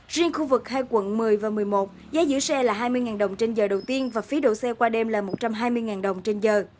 riêng khu vực hai quận một mươi và một mươi một giá giữ xe là hai mươi đồng trên giờ đầu tiên và phí đậu xe qua đêm là một trăm hai mươi đồng trên giờ